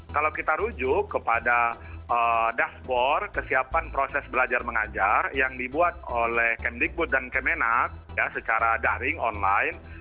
kalau kita rujuk kepada dashboard kesiapan proses belajar mengajar yang dibuat oleh kemdikbud dan kemenak secara daring online